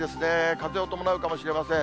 風を伴うかもしれません。